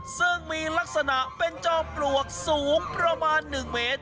ซึ่งมีลักษณะเป็นจอมปลวกสูงประมาณ๑เมตร